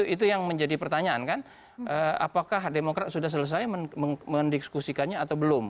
itu yang menjadi pertanyaan kan apakah demokrat sudah selesai mendiskusikannya atau belum